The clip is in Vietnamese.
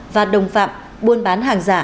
và đồng phạm buôn bán hàng giả